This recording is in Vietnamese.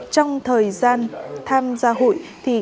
trong thời gian tham gia hụi